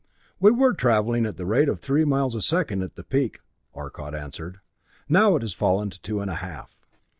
"We were traveling at the rate of three miles a second at the peak." Arcot answered. "Now it has fallen to two and a half."